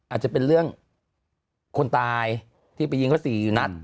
อาจจะเป็นเรื่องคนตายที่ไปยิงเขา๔อยู่นัด